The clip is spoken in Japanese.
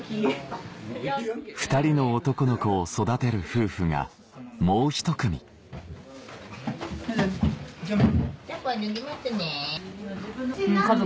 ２人の男の子を育てる夫婦がもう１組あれ？